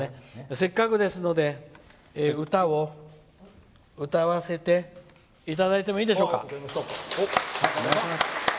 せっかくですので歌を歌わせていただいてもいいでしょうか？